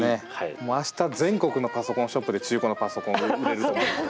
もう明日全国のパソコンショップで中古のパソコン売れると思いますよ。